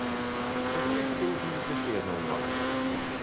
Pozwolę sobie uczynić jeszcze jedną uwagę